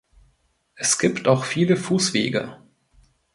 Es gibt auch viele Fußwege.